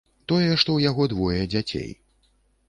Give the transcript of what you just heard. Тое, што ў яго двое дзяцей.